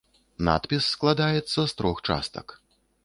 Надпіс складаецца з трох частак.